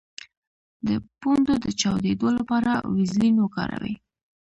د پوندو د چاودیدو لپاره ویزلین وکاروئ